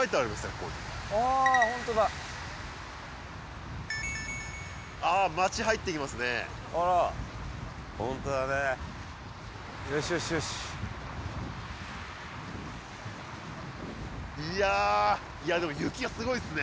ここにああホントだいやでも雪がすごいっすね